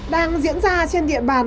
đang diễn ra trên địa bàn